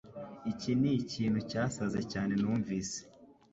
Iki nikintu cyasaze cyane numvise